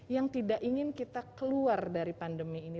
yang tidak ingin kita keluar dari pandemi ini